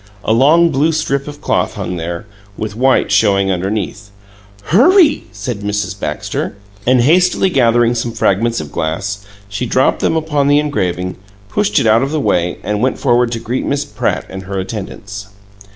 A long blue strip of cloth hung there, with white showing underneath. "HURRY!" said Mrs. Baxter. And hastily gathering some fragments of glass, she dropped them upon the engraving, pushed it out of the way, and went forward to greet Miss Pratt and her attendants.